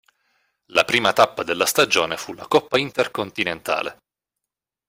La prima tappa della stagione fu la Coppa Intercontinentale.